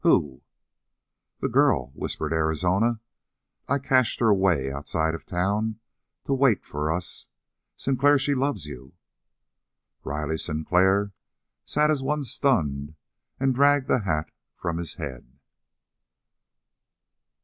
"Who?" "The girl!" whispered Arizona. "I cached her away outside of town to wait for us! Sinclair, she loves you." Riley Sinclair sat as one stunned and dragged the hat from his head.